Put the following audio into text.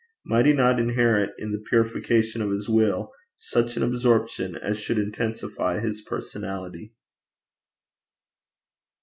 might he not inherit in the purification of his will such an absorption as should intensify his personality?